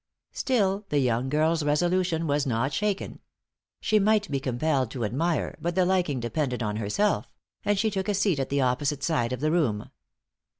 Still the young girl's resolution was not shaken. She might be compelled to admire, but the liking depended on herself; and she took a seat at the opposite side of the room.